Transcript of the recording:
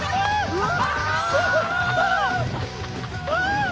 うわ！